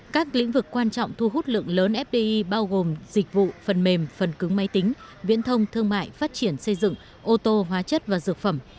các lĩnh vực quan trọng thu hút lượng lớn fdi bao gồm dịch vụ phần mềm phần cứng máy tính viễn thông thương mại phát triển xây dựng ô tô hóa chất và dược phẩm